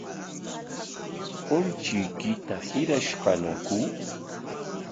¿Punchuykita hirashqañaku?